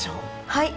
はい。